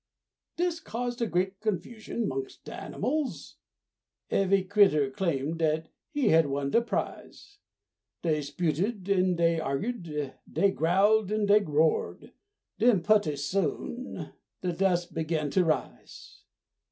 Dis caused a great confusion 'mongst de animals, Ev'y critter claimed dat he had won de prize; Dey 'sputed an' dey arg'ed, dey growled an' dey roared, Den putty soon de dus' begin to rise.